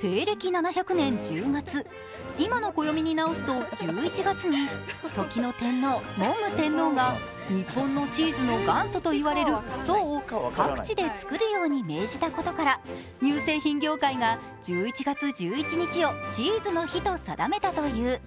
西暦７００年１０月今の暦に直すと１１月に時の天皇が日本のチーズの元祖と言われる蘇を各地で作ることを命じたことから乳製品業界が１１月１１日をチーズの日と定めたという。